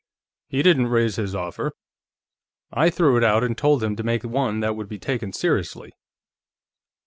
"He didn't raise his offer; I threw it out and told him to make one that could be taken seriously."